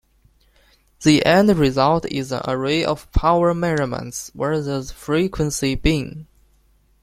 The end result is an array of power measurements versus frequency "bin".